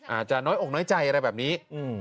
อาจจะน้อยอกน้อยใจอะไรแบบนี้